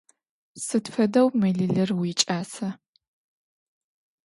Сыд фэдэу мэлылыр уикӏаса?